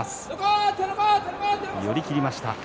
寄り切りました。